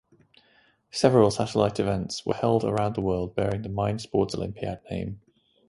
Several satellite events were held around the world bearing the Mind Sports Olympiad name.